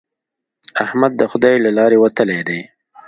احمد د خدای له لارې وتلی دی.